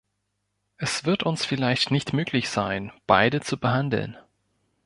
Es wird uns vielleicht nicht möglich sein, beide zu behandeln.